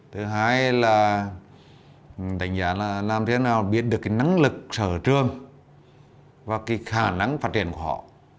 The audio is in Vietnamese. thứ hai là đánh giá là làm thế nào biết được cái năng lực sở trường và cái khả năng phát triển của họ